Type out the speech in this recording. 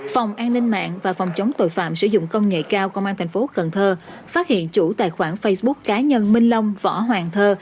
phòng an ninh mạng và phòng chống tội phạm sử dụng công nghệ cao công an thành phố cần thơ phát hiện chủ tài khoản facebook cá nhân minh long võ hoàng thơ